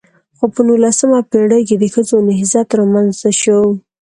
خو په نولسمه پېړۍ کې د ښځو نضهت رامنځته شو .